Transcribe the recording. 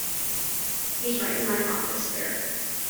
He's right in my office there.